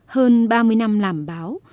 hơn ba mươi năm làm báo